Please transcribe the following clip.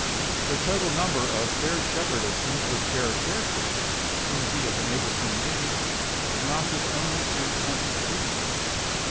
The total number of fair shepherdesses with fair characters whom he had been able to engage amounted only to twenty three.